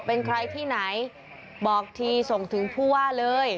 เป็นใครที่ไหนบอกทีส่งถึงผู้ว่าเลย